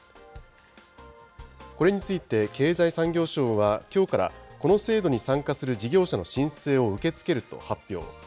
これについて経済産業省は、きょうから、この制度に参加する事業者の申請を受け付けると発表。